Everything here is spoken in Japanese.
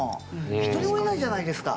１人もいないじゃないですか。